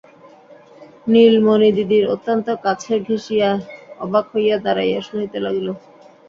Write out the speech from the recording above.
নীলমণি দিদির অত্যন্ত কাছে ঘেঁষিয়া অবাক হইয়া দাঁড়াইয়া শুনিতে লাগিল।